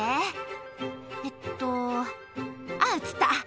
えっと、ああ、写った。